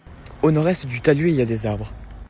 Au nord-est du talus il y a des arbres.